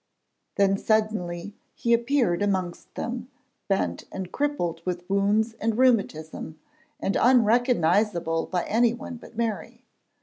Then suddenly he appeared amongst them, bent and crippled with wounds and rheumatism, and unrecognisable by anyone but Mary.